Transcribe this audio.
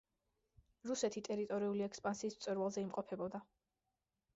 რუსეთი ტერიტორიული ექსპანსიის მწვერვალზე იმყოფებოდა.